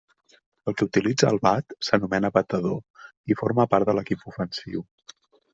El que utilitza el bat, s'anomena batedor, i forma part de l'equip ofensiu.